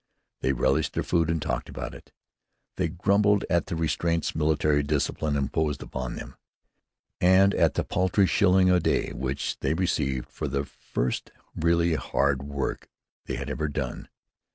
They relished their food and talked about it. They grumbled at the restraints military discipline imposed upon them, and at the paltry shilling a day which they received for the first really hard work they had ever done.